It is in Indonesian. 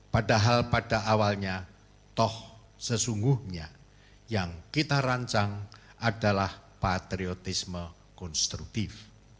padahal pada awalnya toh sesungguhnya yang kita rancang adalah patriotisme konstruktif